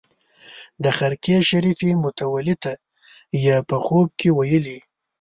د خرقې شریفې متولي ته یې په خوب کې ویلي.